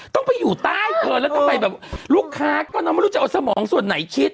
ต้องไปอยู่ใต้แล้วลูกค้าก็ไม่รู้สัมมองส่วนไหนคิด